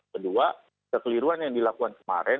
kedua kekeliruan yang dilakukan kemarin